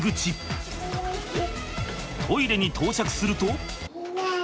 トイレに到着すると。